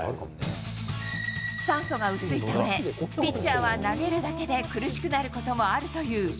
酸素が薄いため、ピッチャーは投げるだけで苦しくなることもあるという。